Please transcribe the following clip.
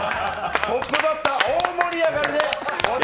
トップバッター、大盛り上がりです！